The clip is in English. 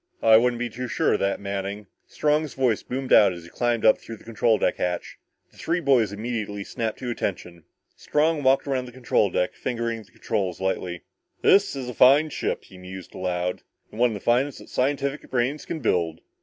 "I wouldn't be too sure of that, Manning!" Strong's voice boomed out as he climbed up through the control deck hatch. The three boys immediately snapped to attention. Strong walked around the control deck, fingering the controls lightly. "This is a fine ship," he mused aloud. "One of the finest that scientific brains can build.